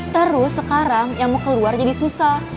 terus sekarang yang mau keluar jadi susah